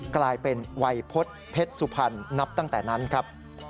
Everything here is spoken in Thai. กลายเป็นวัยพฤษเพชรสุพรรณนับตั้งแต่นั้นครับ